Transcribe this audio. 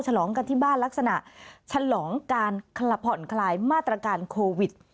ฉลองกันที่บ้านลักษณะฉลองการผ่อนคลายมาตรการโควิด